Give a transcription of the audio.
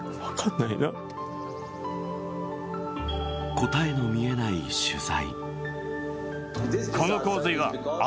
答えの見えない取材。